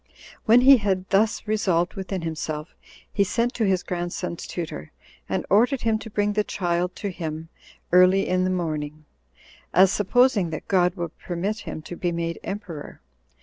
When he had thus resolved within himself, he sent to his grandson's tutor, and ordered him to bring the child to him early in the morning, as supposing that God would permit him to be made emperor.